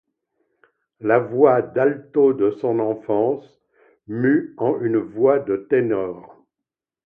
La voix d'alto de son enfance mue en une voix de ténor.